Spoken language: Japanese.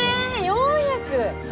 ４００？